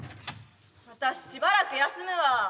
私しばらく休むわ。